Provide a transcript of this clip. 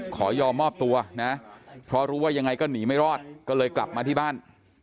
ขอยอมมอบตัวนะเพราะรู้ว่ายังไงก็หนีไม่รอดก็เลยกลับมาที่บ้าน